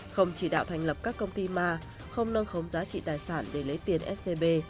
không chỉ đạo thành lập các công ty ma không nâng khống giá trị tài sản để lấy tiền scb